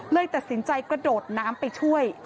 เลยตัดสินใจกระโดดน้ำไปช่วย